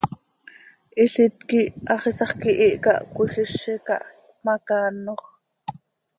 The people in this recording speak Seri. Hilít quih hax iisax quihiih cah cöijizi cah hpmacaanoj.